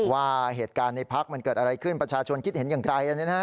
ว่าเหตุการณ์ในพักมันเกิดอะไรขึ้นประชาชนคิดเห็นอย่างไร